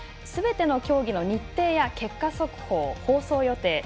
すべての競技の日程や結果速報、放送予定